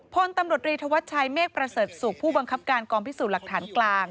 พลตำรวจรีธวัชชัยเมฆประเสริฐศุกร์ผู้บังคับการกองพิสูจน์หลักฐานกลาง